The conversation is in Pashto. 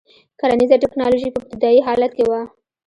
کرنیزه ټکنالوژي په ابتدايي حالت کې وه.